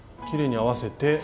きれいに合わせて。